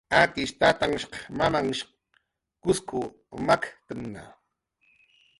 Akish tatanhshq mamamnhhsh Kuskw maktnna